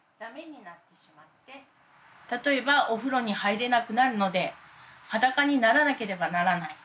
例えばお風呂に入れなくなるので裸にならなければならない。